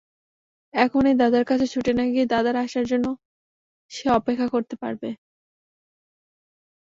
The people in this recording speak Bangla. এখনই দাদার কাছে ছুটে না গিয়ে দাদার আসার জন্যে সে অপেক্ষা করতে পারবে।